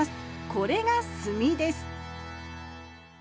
これが炭です